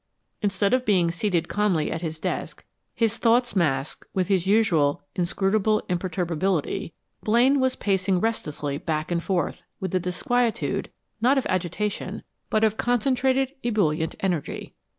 Instead of being seated calmly at his desk, his thoughts masked with his usual inscrutable imperturbability, Blaine was pacing restlessly back and forth with the disquietude, not of agitation, but of concentrated, ebullient energy.